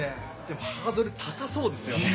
でもハードル高そうですよね。